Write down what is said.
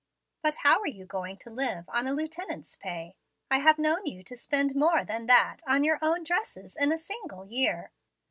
"But how are you going to live on a lieutenant's pay? I have known you to spend more than that on your own dress in a single year."